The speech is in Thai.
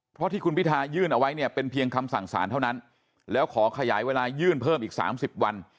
เพราะที่คุณพิทายื่นเอาไว้เนี่ยเป็นเพียงคำสั่งสารเท่านั้นแล้วขอขยายเวลายื่นเพิ่มอีก๓๐วัน